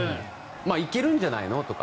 行けるんじゃないのとか。